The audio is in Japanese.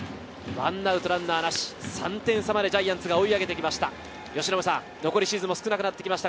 １アウトランナーなし、３点差までジャイアンツが追い上げてきました。